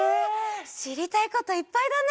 しりたいこといっぱいだね！